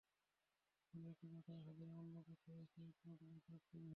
ফলে একটি পথের হাজিরা অন্য পথে এসে পড়লে চাপ তৈরি হয়।